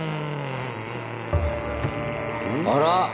あら？